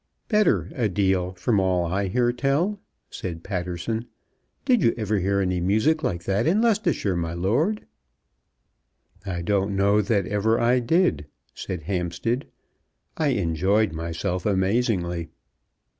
"Better, a deal, from all I hear tell," said Patterson. "Did you ever hear any music like that in Leicestershire, my lord?" "I don't know that ever I did," said Hampstead. "I enjoyed myself amazingly."